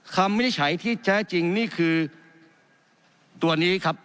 วินิจฉัยที่แท้จริงนี่คือตัวนี้ครับ